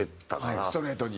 ストレートに。